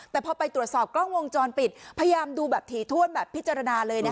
แต่พอไปตรวจสอบกล้องวงจรปิดพยายามดูแบบถี่ถ้วนแบบพิจารณาเลย